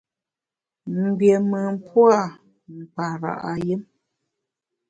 Mgbiémùn pua’ mkpara’ yùm.